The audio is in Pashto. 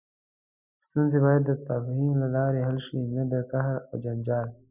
ستونزې باید د تفاهم له لارې حل شي، نه د قهر او جنجال.